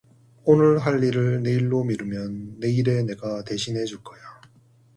오늘 할 일을 내일로 미루면 내일의 내가 대신해 줄 거야.